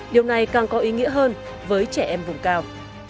điều này càng có ý nghĩa hơn với trẻ em vùng cao